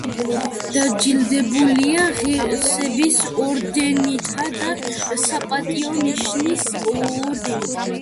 დაჯილდოებულია ღირსების ორდენითა და საპატიო ნიშნის ორდენით.